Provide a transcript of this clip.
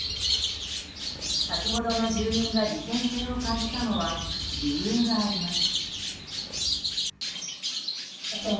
先ほどの住民が事件性を感じたのは理由があります。